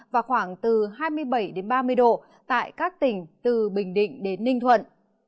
và khoảng từ hai mươi bảy đến ba mươi độ tại các tỉnh từ bình định đến ninh thuận